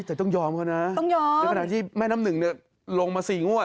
เจ๊ต้องยอมก็นะในขณะที่แม่น้ำหนึ่งลงมา๔งวด